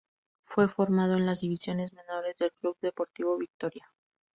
Fue formado en las divisiones menores del Club Deportivo Victoria.